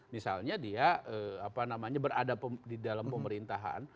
misalnya dia apa namanya berada di dalam pemerintahan